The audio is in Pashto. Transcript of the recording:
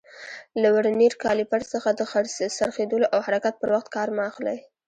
له ورنیر کالیپر څخه د څرخېدلو او حرکت پر وخت کار مه اخلئ.